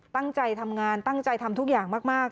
ตั้งใจทำงานตั้งใจทำทุกอย่างมาก